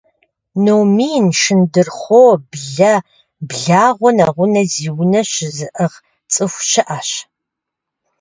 Номин, шындурхъуо, блэ, благъуэ, нэгъунэ зи унэ щызыӏыгъ цӏыху щыӏэщ.